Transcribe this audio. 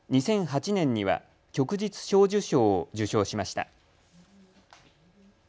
２００８年には旭日小綬章を受章しました。